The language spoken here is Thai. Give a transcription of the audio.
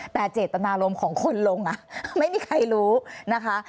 แต่เจตนารมณ์ของคนลงไม่มีใครรู้นะคะ